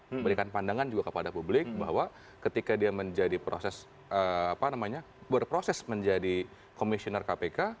memberikan pandangan juga kepada publik bahwa ketika dia menjadi proses berproses menjadi komisioner kpk